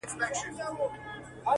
ځكه چي دا خو د تقدير فيصله.